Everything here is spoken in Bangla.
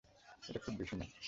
এটা খুব বেশি না।